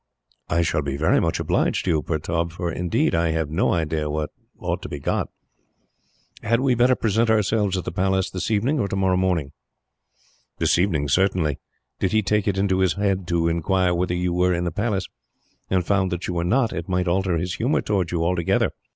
"I shall be very much obliged to you, Pertaub, for indeed I have no idea what ought to be got. Had we better present ourselves at the Palace this evening, or tomorrow morning?" "This evening, certainly. Did he take it into his head to inquire whether you were in the Palace, and found that you were not, it might alter his humour towards you altogether.